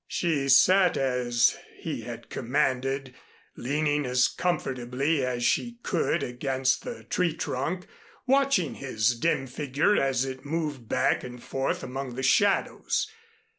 She sat as he had commanded, leaning as comfortably as she could against the tree trunk, watching his dim figure as it moved back and forth among the shadows.